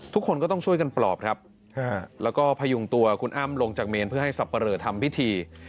ทุกคนก็ต้องช่วยกันปลอบครับแล้วก็พยุงตัวคุณอ้ำลงจากเมนเพื่อให้สับปะเหลอทำพิธี